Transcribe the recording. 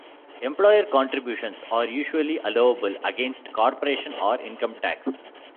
Employer contributions are usually allowable against corporation or income tax.